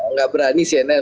nggak berani cnn